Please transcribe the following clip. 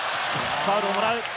ファウルをもらう。